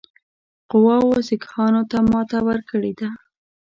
قواوو سیکهانو ته ماته ورکړې ده.